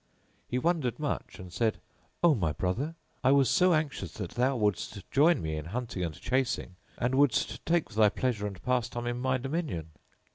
He wondered much and said, "O my brother, I was so anxious that thou wouldst join me in hunting and chasing, and wouldst take thy pleasure and pastime in my dominion!"